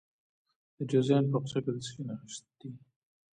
د جوزجان په اقچه کې د څه شي نښې دي؟